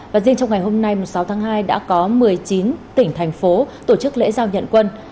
và riêng trong ngày hôm nay sáu tháng hai đã có một mươi chín tỉnh thành phố tổ chức lễ giao nhận quân